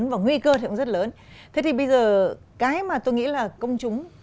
và công chúng